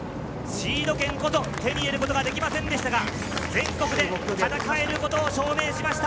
シード権こそ手に入れることはできませんでしたが、全国で戦えることを証明しました。